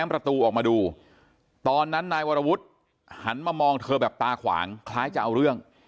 ประตูออกมาดูตอนนั้นนายวรวุฒิหันมามองเธอแบบตาขวางคล้ายจะเอาเรื่อง